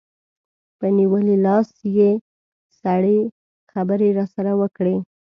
په نیولي لاس یې سړې خبرې راسره وکړې.